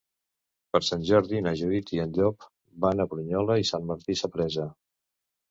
Per Sant Jordi na Judit i en Llop van a Brunyola i Sant Martí Sapresa.